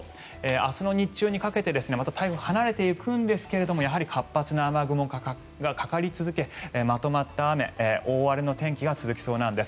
明日の日中にかけてまた台風離れていくんですがやはり活発な雨雲がかかり続けまとまった雨、大荒れの天気が続きそうなんです。